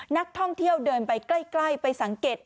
นักท่องเที่ยวเดินไปใกล้ไปสังเกต